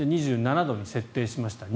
２７度に設定しました。